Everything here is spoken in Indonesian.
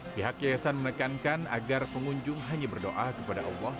pihak yayasan menekankan agar pengunjung hanya berdoa kepada allah